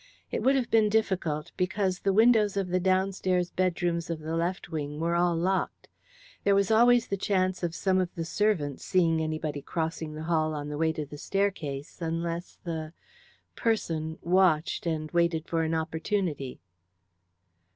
It would have been difficult, because the windows of the downstairs bedrooms of the left wing were all locked. There was always the chance of some of the servants seeing anybody crossing the hall on the way to the staircase, unless the person watched and waited for an opportunity."